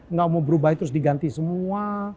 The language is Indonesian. nggak mau berubah terus diganti semua